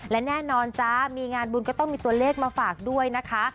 และแน่นอนจ้ามีงานบุญก็ต้องมีตัวเลขมาฝากด้วยนะคะ